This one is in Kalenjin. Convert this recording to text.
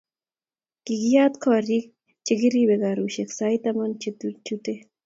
Kikiyat korik che kipire kuraishike sait taman kochutei.